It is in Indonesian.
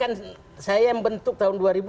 karena saya yang bentuk tahun dua ribu enam